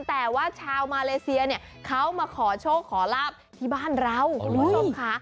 แต่ว่าชาวมาเลเซียเนี่ยเขามาขอโชคขอลาบที่บ้านเราคุณผู้ชมค่ะ